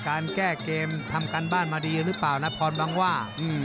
การแก้เกมทำการบ้านมาดีหรือเปล่านะพรบางว่า